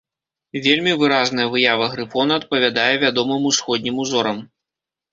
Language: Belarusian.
Вельмі выразная выява грыфона адпавядае вядомым усходнім узорам.